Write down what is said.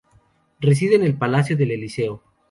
Reside en el Palacio del Elíseo.